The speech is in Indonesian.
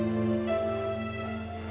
jangan lupa untuk berhenti